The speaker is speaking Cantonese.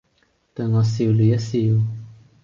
對我笑了一笑；